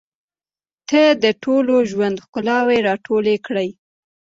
• ته د ټول ژوند ښکلاوې راټولې کړې.